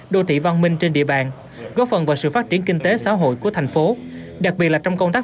đô thị văn minh trên địa bàn góp phần vào sự phát triển kinh tế xã hội của thành phố đặc biệt là trong công tác